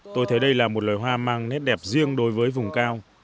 tôi thấy đây là một loài hoa mang nét đẹp riêng đối với vùng cao